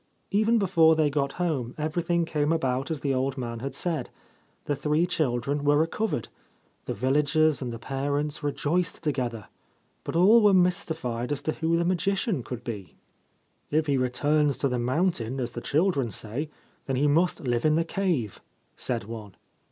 Even before they got home everything came about as the old man had said. The three children were recovered. The villagers and the parents rejoiced together ; but all were mystified as to who the magician could be. 185 ' 24 Ancient Tales and Folklore of Japan ' If he returns to the mountain, as the children say, then he must live in the cave/ said one.